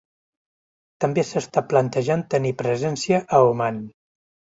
També s'està plantejant tenir presència a Oman.